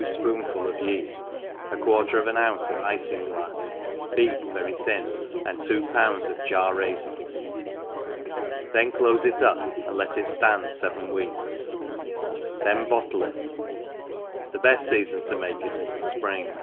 321 two fpoonfuls of yeft, a quarter of an ouiice of ifinglafs bwt very thin, and two bounds of jar raifins, then clofe it up, and let it ftand fevcn * weeks, then bottle it; the beft feafbn to inak? it is the fpring.